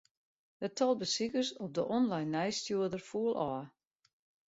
It tal besikers op de online nijsstjoerder foel ôf.